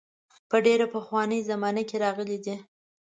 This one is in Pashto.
په ډېره پخوانۍ زمانه کې راغلي دي.